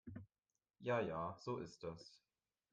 Ja ja, so ist das.